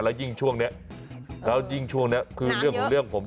แล้วยิ่งช่วงนี้แล้วยิ่งช่วงนี้คือเรื่องของเรื่องผม